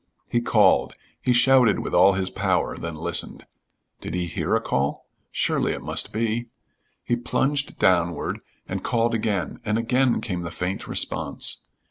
He called, he shouted with all his power, then listened. Did he hear a call? Surely it must be. He plunged downward and called again, and again came the faint response.